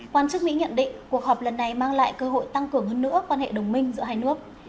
quan chức mỹ nhận định cuộc họp lần này mang lại cơ hội tăng cường hơn nữa quan hệ đồng minh giữa hai nước